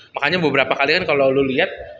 makanya beberapa kali kan kalau lo liat